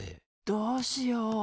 どうしよう。